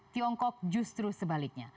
tiongkok justru sebaliknya